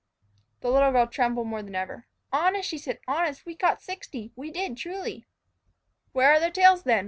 The little girl trembled more than ever. "Honest," she said; "honest! We caught sixty we did, truly " "Where are their tails, then?